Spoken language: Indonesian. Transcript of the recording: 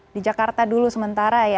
di jakarta dulu sementara ya